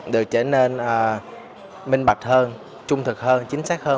được trở nên minh bạch hơn trung thực hơn chính xác hơn